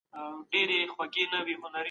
زه تل هڅه کوم چې ښه زده کړم.